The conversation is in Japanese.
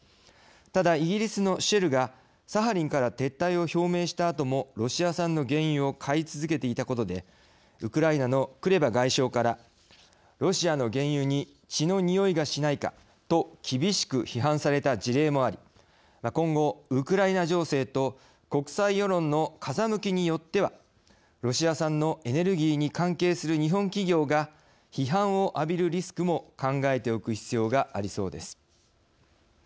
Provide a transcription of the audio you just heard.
ただ、イギリスのシェルがサハリンから撤退を表明したあともロシア産の原油を買い続けていたことでウクライナのクレバ外相からロシアの原油に血のにおいがしないかと厳しく批判された事例もあり今後、ウクライナ情勢と国際世論の風向きによってはロシア産のエネルギーに関係する日本企業が批判を浴びるリスクも考えておく必要がありそうです。